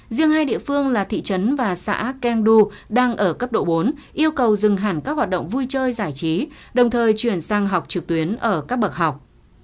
riêng hai địa phương là thị trấn và xã keng du đang ở cấp độ bốn yêu cầu dừng hẳn các hoạt động vui chơi giải trí đồng thời chuyển sang học trực tuyến ở các bậc học